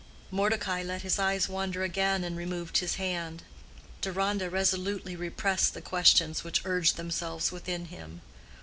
Mordecai let his eyes wander again and removed his hand. Deronda resolutely repressed the questions which urged themselves within him.